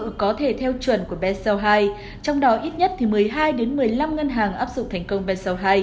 các ngân hàng có thể theo chuẩn của bseo hai trong đó ít nhất một mươi hai một mươi năm ngân hàng áp dụng thành công bseo hai